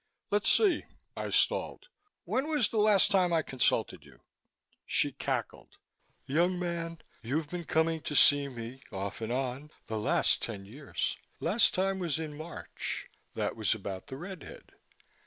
"Let's see," I stalled, "when was the last time I consulted you?" She cackled. "Young man, you've been comin' to see me, off and on, the last ten years. Last time was in March. That was about the red head.